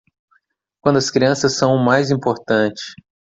Quando as crianças são o mais importante